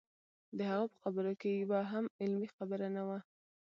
د هغه په خبرو کې یوه هم علمي خبره نه وه.